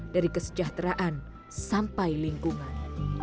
dari kesejahteraan sampai lingkungan